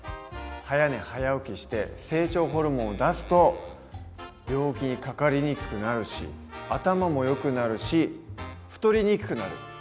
早寝早起きして成長ホルモンを出すと病気にかかりにくくなるし頭もよくなるし太りにくくなる。